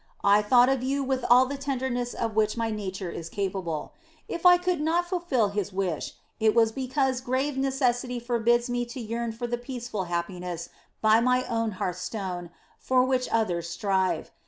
"I thought of you with all the tenderness of which my nature is capable. If I could not fulfil his wish, it was because grave necessity forbids me to yearn for the peaceful happiness by my own hearth stone for which others strive.